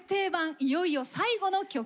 いよいよ最後の曲です。